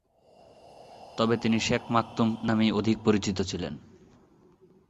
তবে তিনি Sheikh Maktoum নামেই অধিক পরিচিত ছিলেন।